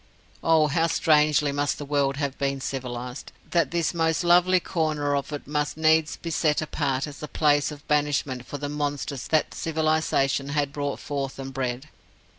Oh, how strangely must the world have been civilized, that this most lovely corner of it must needs be set apart as a place of banishment for the monsters that civilization had brought forth and bred!